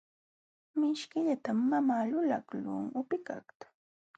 Mishkillatam mamaa lulaqlun upikaqta.